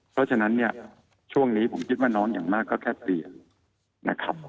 เพราะฉะนั้นเนี่ยช่วงนี้ผมคิดว่าน้องอย่างมากก็แค่เปลี่ยนนะครับ